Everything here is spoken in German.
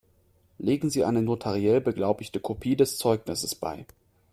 Legen Sie eine notariell beglaubigte Kopie des Zeugnisses bei.